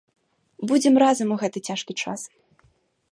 Будзем разам у гэты цяжкі час!